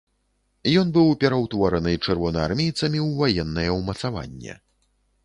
Ён быў пераўтвораны чырвонаармейцамі ў ваеннае ўмацаванне.